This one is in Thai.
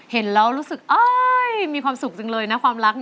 เห็นแล้วรู้สึกมีความสุขจังเลยนะความรัก